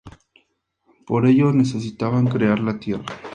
Por ello necesitaban crear la tierra.